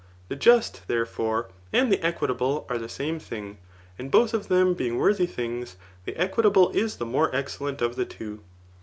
The just, therefore, and the equitable are the same thing; and both of them being worthy things, the equitable is the more excellent of the two.